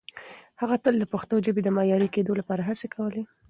هغه تل د پښتو ژبې د معیاري کېدو لپاره هڅې کولې.